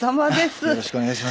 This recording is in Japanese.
よろしくお願いします。